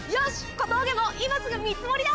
小峠も今すぐ見積りだ！